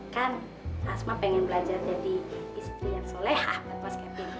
kan asma pengen belajar jadi istri yang solehah buat mas kevin